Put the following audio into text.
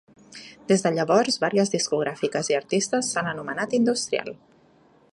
Des de llavors, varies discogràfiques i artistes s'han anomenat "industrial".